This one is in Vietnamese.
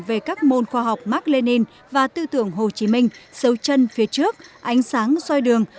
về các môn khoa học mark lenin và tư tưởng hồ chí minh sâu chân phía trước ánh sáng soi đường